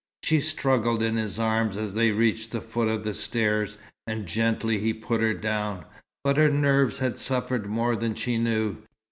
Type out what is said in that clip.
She struggled in his arms, as they reached the foot of the stairs, and gently he put her down. But her nerves had suffered more than she knew.